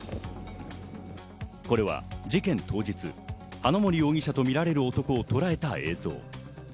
これは事件当日、花森容疑者とみられる男をとらえた映像。